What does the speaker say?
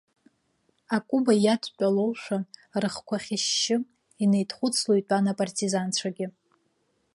Акәыба иадтәалоушәа рыхқәа хьышьшьы, инеидхәыцло итәан апартизанцәагьы.